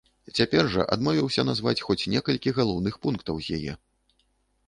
Цяпер жа адмовіўся назваць хоць некалькі галоўных пунктаў з яе.